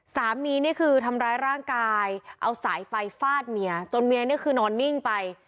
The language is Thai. นี่คือทำร้ายร่างกายเอาสายไฟฟาดเมียจนเมียนี่คือนอนนิ่งไป